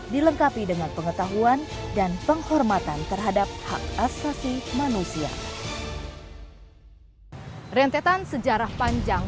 di depan ada polisi bang